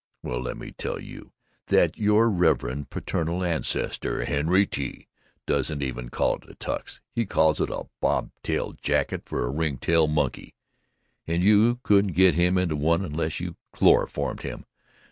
Well, let me tell you that your revered paternal ancestor, Henry T., doesn't even call it a 'Tux.'! He calls it a 'bobtail jacket for a ringtail monkey,' and you couldn't get him into one unless you chloroformed him!"